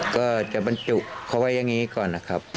ก็จะบรรจุเขาไว้อย่างนี้ก่อนนะครับ